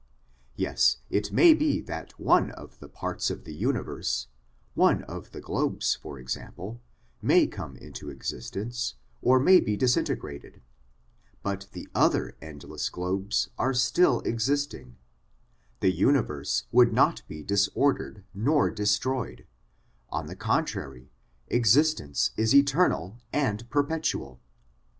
Yes, it may be that one of the parts of the universe, one of the globes, for example, may come into existence, or may be disintegrated, but the other endless globes are still existing ; the universe would not be disordered nor destroyed; on the con trary, existence is eternal and perpetual.